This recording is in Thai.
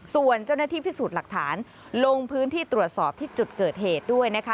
ส่วนเจ้าหน้าที่พิสูจน์หลักฐานลงพื้นที่ตรวจสอบที่จุดเกิดเหตุด้วยนะคะ